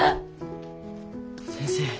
先生。